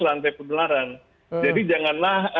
rantai penularan jadi janganlah